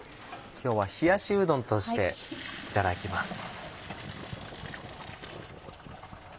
今日は冷やしうどんとしていただきます。